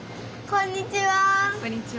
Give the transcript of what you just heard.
こんにちは。